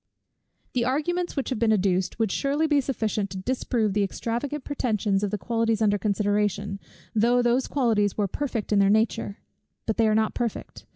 The arguments which have been adduced would surely be sufficient to disprove the extravagant pretensions of the qualities under consideration, though those qualities were perfect in their nature. But they are not perfect.